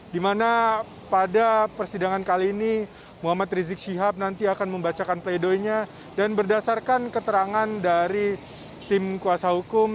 dimana pada persidangan kali ini muhammad rizik syihab nanti akan membacakan pleidoynya dan berdasarkan keterangan dari tim kuasa hukum